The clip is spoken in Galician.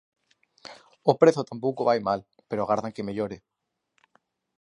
O prezo tampouco vai mal, pero agardan que mellore.